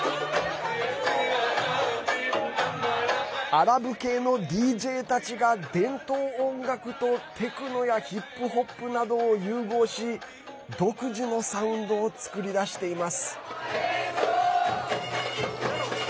アラブ系のＤＪたちが伝統音楽とテクノやヒップホップなどを融合し独自のサウンドを作り出しています。